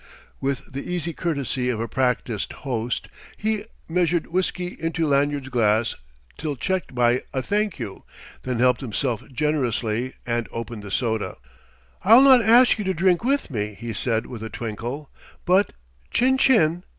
With the easy courtesy of a practised host, he measured whiskey into Lanyard's glass till checked by a "Thank you," then helped himself generously, and opened the soda. "I'll not ask you to drink with me," he said with a twinkle, "but chin chin!"